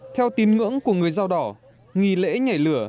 theo tín ngưỡng của người dao đỏ nghi lễ nhảy lửa